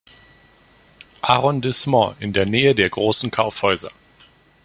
Arrondissement, in der Nähe der großen Kaufhäuser.